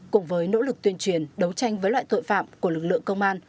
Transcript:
cùng với nỗ lực tuyên truyền đấu tranh với loại tội phạm của lực lượng công an